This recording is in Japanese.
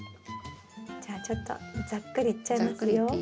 じゃあちょっとざっくりいっちゃいますよ。